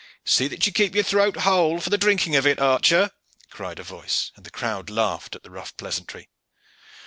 "See that you keep your throat whole for the drinking of it archer," cried a voice, and the crowd laughed at the rough pleasantry.